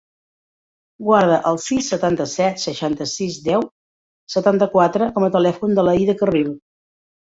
Guarda el sis, setanta-set, seixanta-sis, deu, setanta-quatre com a telèfon de l'Aïda Carril.